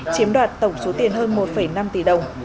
chiếm đoạt tổng số tiền hơn một năm tỷ đồng